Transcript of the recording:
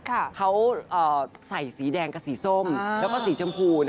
เขาใส่สีแดงกับสีส้มแล้วก็สีชมพู